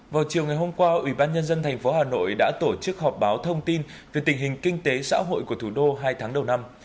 vào chiều ngày hôm qua ủy ban nhân dân tp hà nội đã tổ chức họp báo thông tin về tình hình kinh tế xã hội của thủ đô hai tháng đầu năm